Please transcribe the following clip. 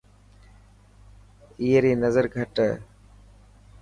اي ري نظر گهٽ هي.